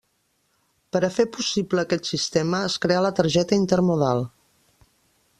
Per a fer possible aquest sistema, es creà la targeta intermodal.